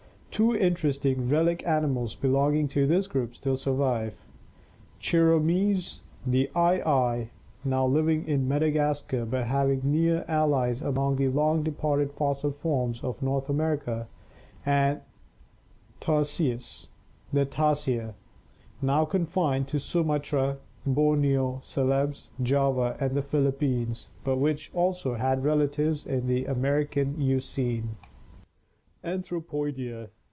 Two interesting relic animals belonging to this group still survive — Chiromys, the aye aye (Fig. 235), now living in Madagas car but having near allies among the long departed fossil forms of North America; and Tarsius, the tarsier (Fig. 236), now confined to Sumatra, Borneo, Celebes, Java, and the Philippines, but which also had relatives in the American Eocene. ORGANIC EVOLUTION Anthropoidea.